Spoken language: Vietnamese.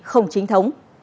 không chính thống